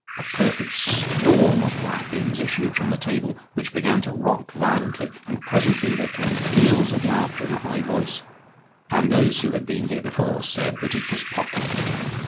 A perfect storm of rappings issued from the table, which began to rock violently, and presently there came peals of laughter in a high voice, and those who had been here before said that it was Pocky.